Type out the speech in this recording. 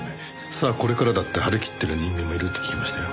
「さあこれからだ」って張り切ってる人間もいるって聞きましたよ。